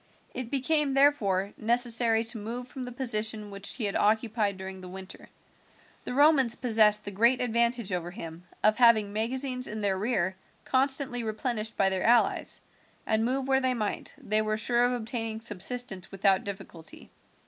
It became, therefore, necessary to move from the position which he had occupied during the winter. The Romans possessed the great advantage over him of having magazines in their rear constantly replenished by their allies, and move where they might, they were sure of obtaining subsistence without difficulty.